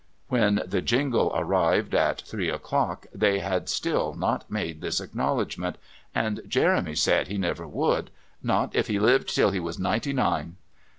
When the jingle arrived at three o'clock they had still not made this acknowledgment, and Jeremy said he never would, "not if he lived till he was ninety nine."